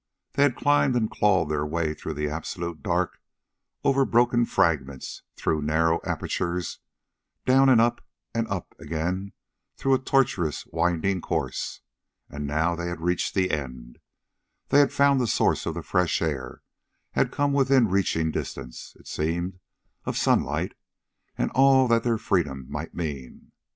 They had climbed and clawed their way through the absolute dark, over broken fragments, through narrow apertures, down and up, and up again through a tortuous, winding course. And now they had reached the end. They had found the source of the fresh air, had come within reaching distance, it seemed, of sunlight and all that their freedom might mean.